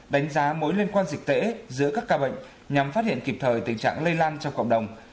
đánh giá mối liên quan dịch tễ giữa các ca bệnh nhằm phát hiện kịp thời tình trạng lây lan trong cộng đồng